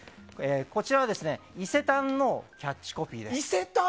こちらは伊勢丹のキャッチコピーです。